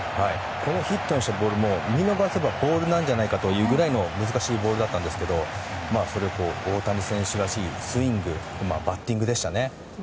このヒットにしたボールも見逃せばボールなんじゃないかぐらいの難しいボールだったんですけどそれを大谷選手らしいスイングバッティングでしたね。